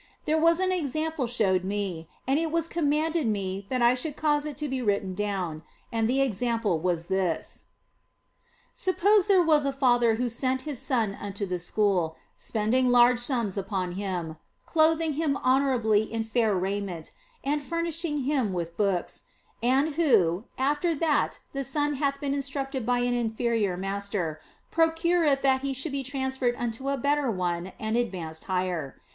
Then was an example showed me, and it was commanded me that I should cause it to be written down ; and the example was this :" Suppose there was a father who sent his son unto the school, spending large sums upon him, clothing him 250 THE BLESSED ANGELA honourably in fair raiment and furnishing him with books, and who, after that the son hath been instructed by an inferior master, procureth that he shall be trans ferred unto a better one and advanced higher.